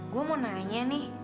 saya ingin bertanya